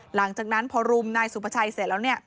หลังจากนั้นพอรุมนายสุภาชัยเสร็จแล้วเนี่ย